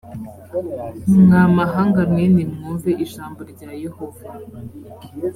mwa mahanga mwe nimwumve ijambo rya yehova